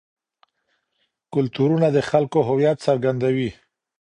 کلتورونه د خلکو هویت څرګندوي.